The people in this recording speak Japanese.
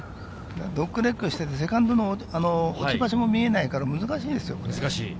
ドッグレッグをしているセカンドの置き場所も見えないから難しいですよ。